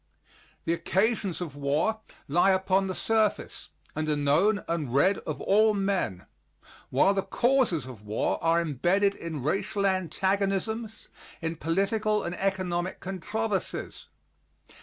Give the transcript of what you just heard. The occasions of war lie upon the surface, and are known and read of all men, while the causes of war are embedded in racial antagonisms, in political and economic controversies.